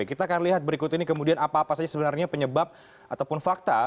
kita akan lihat berikut ini kemudian apa apa saja sebenarnya penyebab ataupun fakta